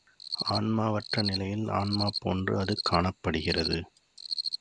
ஆன்மாவற்ற நிலையில் ஆன்மா போன்று அது காணப்படுகிறது.